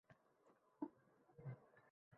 Talabalar uchun Prezident granti joriy etildi